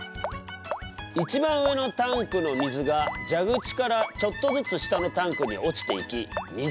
一番上のタンクの水が蛇口からちょっとずつ下のタンクに落ちていき水が溜まる。